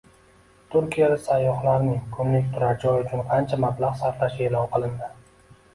Turkiyada sayyohlarning kunlik turar joy uchun qancha mablag‘ sarflashi e’lon qilindi